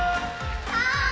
はい！